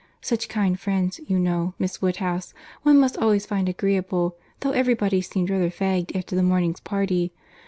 Such kind friends, you know, Miss Woodhouse, one must always find agreeable, though every body seemed rather fagged after the morning's party.